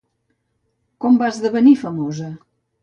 Com va esdevenir famosa?